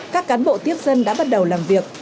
các cán bộ tiếp dân đã bắt đầu làm việc